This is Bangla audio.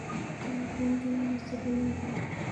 তার ফোন তোমার কাছে কেন?